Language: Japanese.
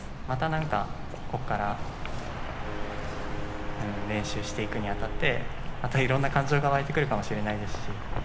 また何かここから練習していくに当たってまたいろいろな感情が沸いてくるかもしれないですし